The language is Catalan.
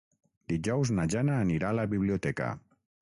Dijous na Jana anirà a la biblioteca.